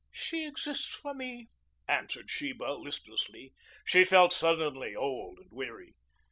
"She exists for me," answered Sheba listlessly. She felt suddenly old and weary.